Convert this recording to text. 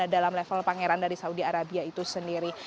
dalam level pangeran dari saudi arabia itu sendiri